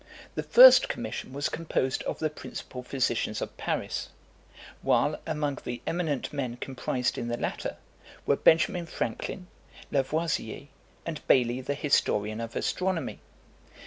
The first commission was composed of the principal physicians of Paris; while, among the eminent men comprised in the latter, were Benjamin Franklin, Lavoisier, and Bailly the historian of astronomy.